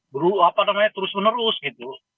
berubah terus menerus gitu